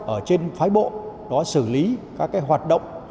ở trên phái bộ đó xử lý các cái hoạt động